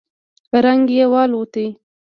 رنگ يې والوت.